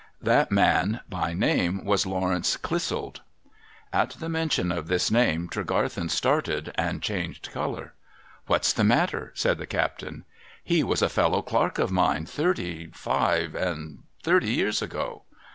That man by name was Lawrence Clissold.' At the mention of this name Tregarthen started and changed colour. ' What's the matter ?' said the captain. ' He was a fellow clerk of mine thirty — five and thirty — years ago.'